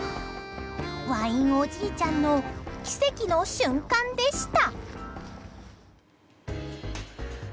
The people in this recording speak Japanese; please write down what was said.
ワインおじいちゃんの奇跡の瞬間でした。